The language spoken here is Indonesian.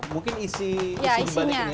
mungkin isi isi yang banyak ini ya